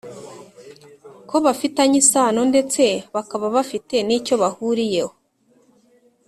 ko bafitanye isano ndetse bakaba bafite nicyo bahuriyeho